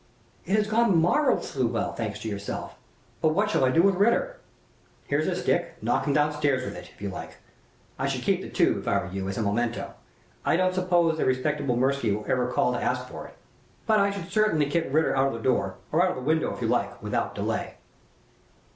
"It has gone marvelously well, thanks to yourself. But what shall I do with Ritter?" "Here's his stick knock him down stairs with it, if you like. I should keep the tube, if I were you, as a memento. I don't suppose the respectable Mirsky will ever call to ask for it. But I should certainly kick Ritter out of doors or out of window, if you like without delay."